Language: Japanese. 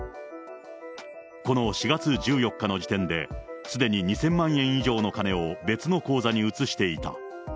この４月１４日の時点で、すでに２０００万円以上の金を別の口座に移していた。